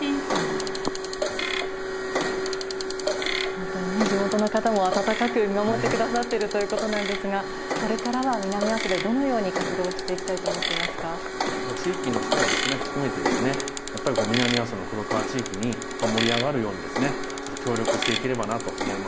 本当に地元の方も温かく見守ってくださっているということなんですが、これからは南阿蘇でどのように活動していきたいと思っ地域の人も含めて、やっぱり南阿蘇の黒川地域に盛り上がるように、協力していければなと思い